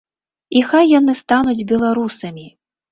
І хай яны стануць беларусамі!